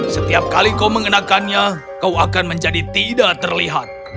setiap kali kau mengenakannya kau akan menjadi tidak terlihat